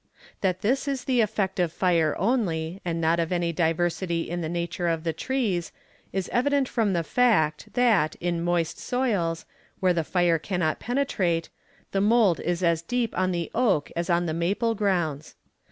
That this is the effect of fire only, and not of any diversity in the nature of the trees, is evident from the fact, that, in moist soils, where the fire cannot penetrate, the mould is as deep on the oak as on the maple grounds.